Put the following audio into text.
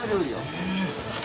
えっ。